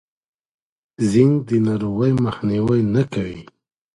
زینک د ناروغۍ مخنیوی نه کوي.